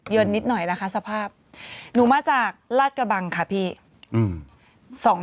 เยินนิดหน่อยนะคะสภาพหนูมาจากลาดกระบังค่ะพี่อืมสอง